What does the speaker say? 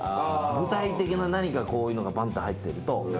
具体的な何かこういうのがバンって入ってると。